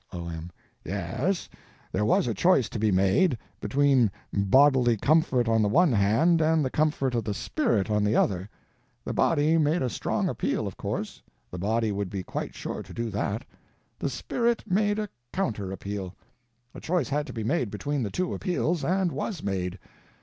O.M. Yes, there was a choice to be made, between bodily comfort on the one hand and the comfort of the spirit on the other. The body made a strong appeal, of course—the body would be quite sure to do that; the spirit made a counter appeal. A choice had to be made between the two appeals, and was made.